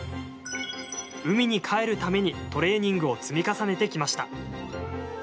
海に帰るためにトレーニングを積み重ねてきました。